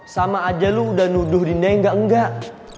sama aja lo udah nuduh dinda yang nggak enggak